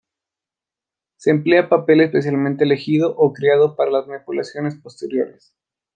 Se emplea papel especialmente elegido o creado para las manipulaciones posteriores.